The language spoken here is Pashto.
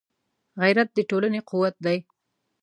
غیرت د ټولنې قوت دی